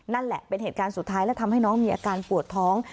นั่นแหละเป็นเหตุการณ์สุดท้ายและทำให้น้องมีอาการปวดท้อง